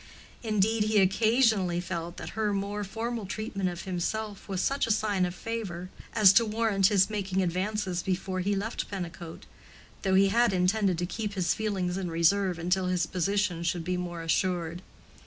Indeed, he occasionally felt that her more formal treatment of himself was such a sign of favor as to warrant his making advances before he left Pennicote, though he had intended to keep his feelings in reserve until his position should be more assured.